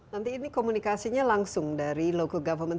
nanti ini komunikasinya langsung dari local government